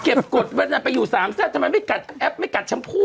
เก็บกฎแว่นน่ะไปอยู่สามแซ่ทำไมไม่กัดแอปไม่กัดชัมพู